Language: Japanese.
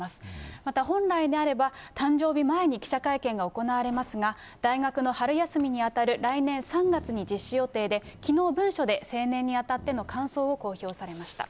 また、本来であれば、誕生日前に記者会見が行われますが、大学の春休みに当たる来年３月に実施予定で、きのう文書で成年にあたっての感想を公表されました。